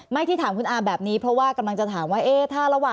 ไม่ที่ถามคุณอาแบบนี้เพราะว่ากำลังจะถามว่า